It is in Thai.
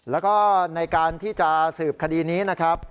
แล้วก็ในการที่จะสืบคดีนี้นะครับ